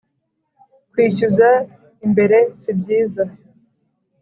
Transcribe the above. kwishyuza imbere sibyiza